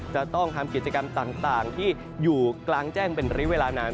จะต้องทำกิจกรรมต่างที่อยู่กลางแจ้งเป็นระยะเวลานาน